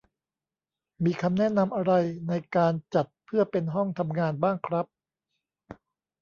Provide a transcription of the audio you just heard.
มีคำแนะนำอะไรในการจัดเพื่อเป็นห้องทำงานบ้างครับ ?